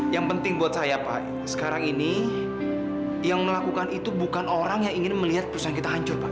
yang penting buat saya pak sekarang ini yang melakukan itu bukan orang yang ingin melihat perusahaan kita hancur pak